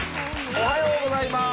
おはようございます。